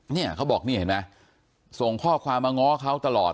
เนี่ยเขาบอกนี่เห็นไหมส่งข้อความมาง้อเขาตลอด